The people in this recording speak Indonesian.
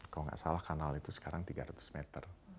kalau nggak salah kanal itu sekarang tiga ratus meter